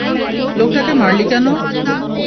লোকটাকে মারলি কেন?